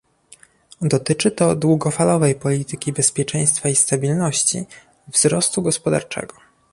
Dotyczy to długofalowej polityki bezpieczeństwa i stabilności, wzrostu gospodarczego